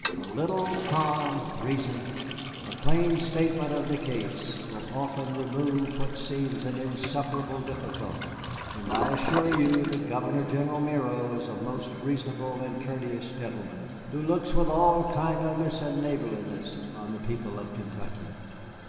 A little calm reason, a plain statement of the case, will often remove what seems an insuperable difficulty, and I assure you that Governor general Miro is a most reasonable and courteous gentleman, who looks with all kindliness and neighborliness on the people of Kentucky.